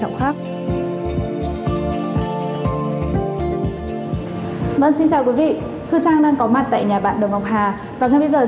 lắng nghe những chia sẻ của bạn với những thành tích đã đạt được trong thời gian vừa qua